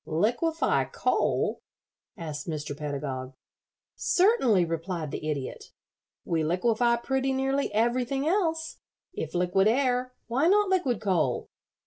"Liquefy coal?" asked Mr. Pedagog. "Certainly," replied the Idiot. "We liquefy pretty nearly everything else. If liquid air, why not liquid coal?